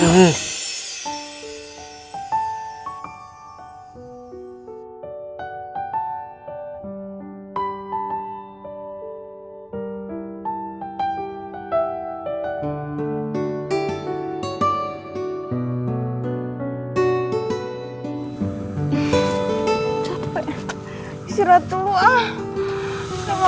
capek istirahat dulu ah